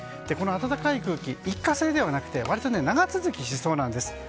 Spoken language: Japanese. この暖かい空気一過性ではなくて割と長続きしそうなんです。